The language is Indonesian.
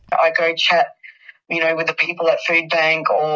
saya berbicara dengan orang orang di foodbank